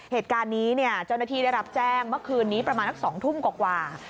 เหตุการณ์นี้เจ้าหน้าที่ได้รับแจ้งเมื่อคืนนี้ประมาณสัก๒ทุ่มกว่า